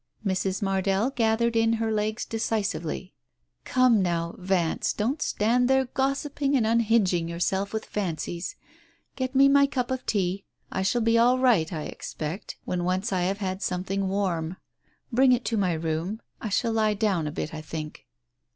Mrs. Mardell gathered in her legs decisively. "Come now, Vance, don't stand there gossiping and E Digitized by Google o Q TALES OF THE UNEASY unhinging yourself with fancies ; get me my cup of tea. I shall be all right, I expect, when once I have had some thing warm. Bring it to my room. I shall lie down a bit, I think."